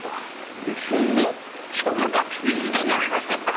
それは聞き捨てなりませんな